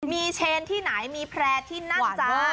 มีเชนที่ไหนมีแพร่ที่นั่นจ้า